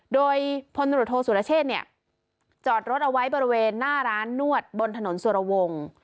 โดยพลตรวจโทษสุรเชษเนี่ยจอดรถเอาไว้บริเวณหน้าร้านนวดบนถนนสุรวงศ์